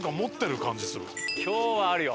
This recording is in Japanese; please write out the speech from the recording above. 今日はあるよ。